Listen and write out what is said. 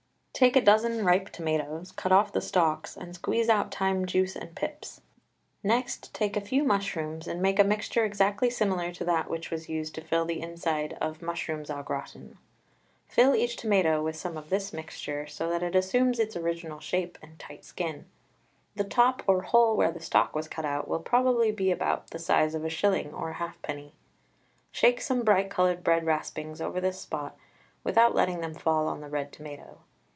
Take a dozen ripe tomatoes, cut off the stalks, and squeeze out time juice and pips. Next take a few mushrooms and make a mixture exactly similar to that which was used to fill the inside of Mushrooms au gratin. Fill each tomato with some of this mixture, so that it assumes its original shape and tight skin. The top or hole where the stalk was cut out will probably be about the size of a shilling or halfpenny. Shake some bright coloured bread raspings over this spot without letting them fall on the red tomato.